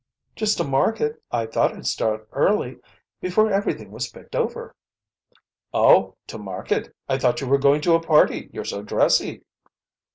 "Just to market. I thought I'd start early, before everything was picked over." "Oh to market! I thought you were going to a party, you're so dressy."